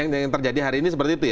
yang terjadi hari ini seperti itu ya